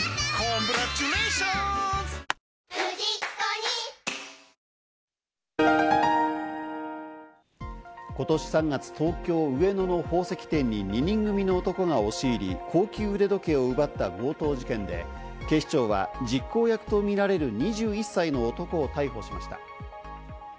乳酸菌が一時的な胃の負担をやわらげる今年３月、東京・上野の宝石店に２人組の男が押し入り、高級腕時計を奪った強盗事件で、警視庁は実行役とみられる２１歳の男を逮捕しました。